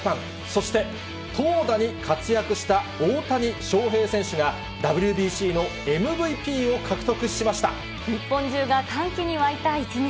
そして投打に活躍した大谷翔平選手が、ＷＢＣのＭＶＰを獲得しま日本中が歓喜に沸いた一日。